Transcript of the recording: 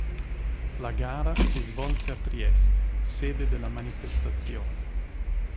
La gara si svolse a Trieste, sede della manifestazione.